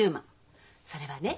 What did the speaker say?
それはね